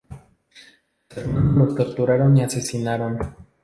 A los hermanos los torturaron y asesinaron.